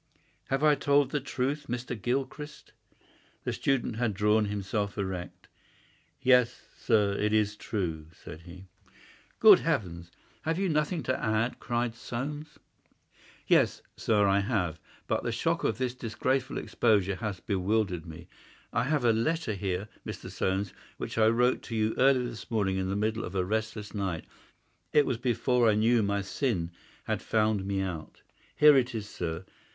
Have I told the truth, Mr. Gilchrist?" The student had drawn himself erect. "Yes, sir, it is true," said he. "Good heavens, have you nothing to add?" cried Soames. "Yes, sir, I have, but the shock of this disgraceful exposure has bewildered me. I have a letter here, Mr. Soames, which I wrote to you early this morning in the middle of a restless night. It was before I knew that my sin had found me out. Here it is, sir.